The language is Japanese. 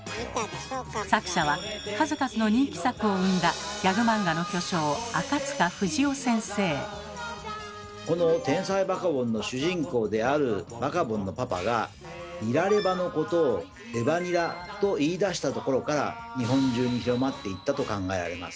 作者は数々の人気作を生んだこの「天才バカボン」の主人公であるバカボンのパパが「ニラレバ」のことを「レバニラ」と言いだしたところから日本中に広まっていったと考えられます。